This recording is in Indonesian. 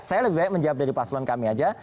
saya lebih baik menjawab dari paslon kami aja